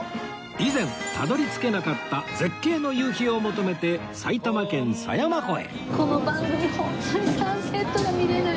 以前たどり着けなかった絶景の夕日を求めて埼玉県狭山湖へ